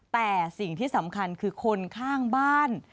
แต่สิ่งที่สำคัญคือคนข้างบ้าน